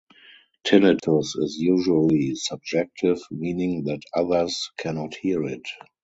Tinnitus is usually subjective, meaning that others cannot hear it.